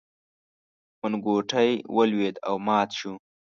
منګوټی ولوېد او مات شو.